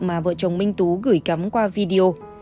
mà vợ chồng minh tú gửi cắm qua video